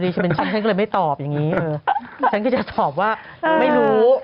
ฉันก็จะตอบว่าไม่รู้